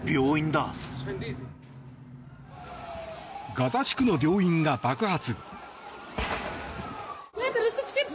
ガザ地区の病院が爆発。